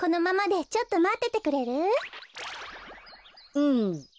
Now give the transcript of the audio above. うん。